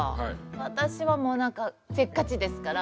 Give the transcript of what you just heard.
私はもうなんかせっかちですから。